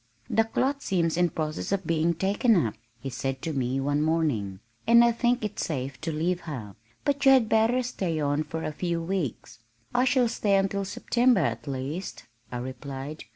"The clot seems in process of being taken up," he said to me, one morning, "and I think it safe to leave her. But you had better stay on for a few weeks." "I shall stay until September, at least," I replied.